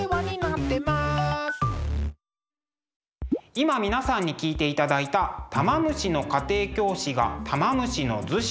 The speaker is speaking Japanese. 今皆さんに聴いていただいた「玉虫の家庭教師が玉虫厨子」。